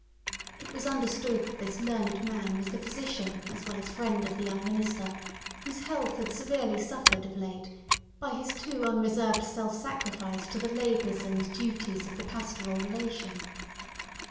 It was understood that this learned man was the physician as well as friend of the young minister, whose health had severely suffered of late by his too unreserved self sacrifice to the labours and duties of the pastoral relation.